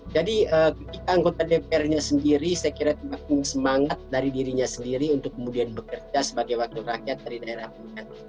jadi ketika anggota dpr nya sendiri saya kira semakin semangat dari dirinya sendiri untuk kemudian bekerja sebagai wakil rakyat dari daerah kemungkinan